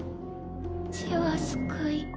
死は救い。